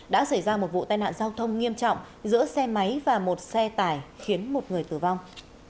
đã xảy ra một vụ tai nạn giao thông nghiêm trọng giữa xe máy và một xe tải khiến một người tử vong